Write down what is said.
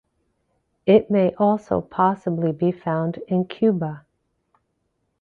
It may also possibly be found in Cuba.